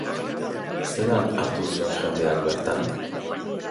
Zelan hartu zuen jendeak bertan?